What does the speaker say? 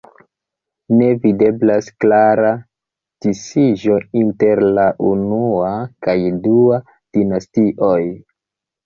Ne videblas klara disiĝo inter la unua kaj dua dinastioj.